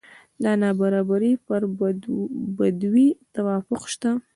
د نابرابرۍ پر بدیو توافق شته.